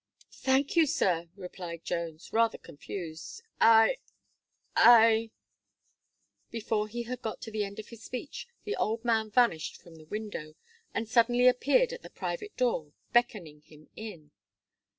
"Thank you, sir," replied Jones, rather confused. "I I " Before he had got to the end of his speech, the old man vanished from the window, and suddenly appeared at the private door, beckoning him in.